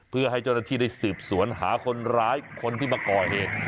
เพื่อให้จรฐีได้สืบสวนหาคนร้ายคนที่มาก่อเอง